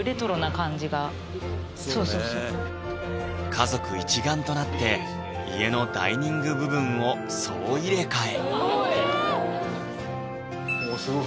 家族一丸となって家のダイニング部分を総入れ替えすごい！